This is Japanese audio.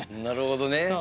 なるほどね。